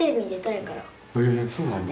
えそうなんだ！